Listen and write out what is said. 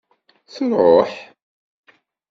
Truḥ.